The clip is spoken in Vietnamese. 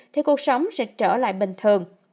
thì cuộc sống sẽ trở lại bình thường